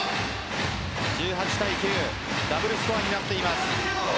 １８対９ダブルスコアになっています。